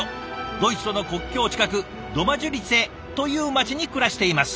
ドイツとの国境近くドマジュリツェという街に暮らしています。